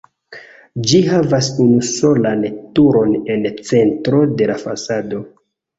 Ĝi havas unusolan turon en centro de la fasado.